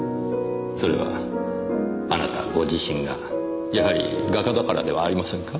それはあなたご自身がやはり画家だからではありませんか？